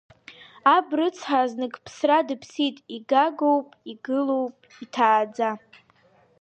Аб рыцҳа зныкԥсра дыԥсит, игагоуп игылоу иҭааӡа.